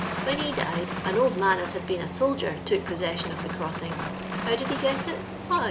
*' When he died, an old man, as had been a soldier, took possession of the crossing. How did he get it? Why.